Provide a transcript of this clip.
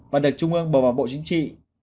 và được trung ương bầu vào bộ chính trị